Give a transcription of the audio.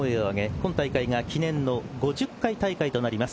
今大会が記念の５０回大会となります。